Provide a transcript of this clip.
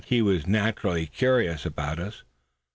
He was naturally curious about us.